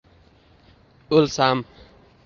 O’lsam